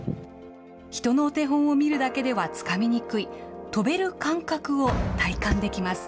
人のお手本を見るだけではつかみにくい、跳べる感覚を体感できます。